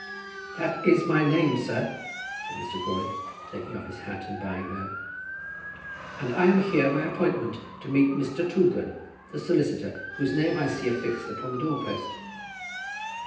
"That is my name, sir," said Mr. Crawley, taking off his hat and bowing low, "and I am here by appointment to meet Mr. Toogood, the solicitor, whose name I see affixed upon the door post."